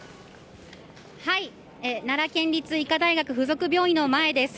奈良県立医科大学附属病院の前です。